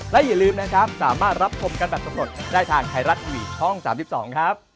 และอย่าลืมนะครับสามารถรับชมกันแบบสำรวจได้ทางไทยรัฐทีวีช่อง๓๒ครับ